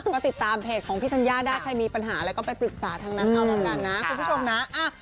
ก็ติดตามเพจของพี่ธัญญาได้ใครมีปัญหาอะไรก็ไปปรึกษาทางนั้นเอาแล้วกันนะคุณผู้ชมนะ